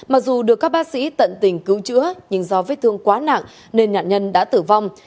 mặc dù được các bác sĩ tận tình cứu chữa nhưng do vết thương quá nặng nên nạn nhân đã tử vong